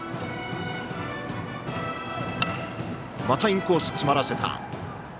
またインコースを詰まらせた。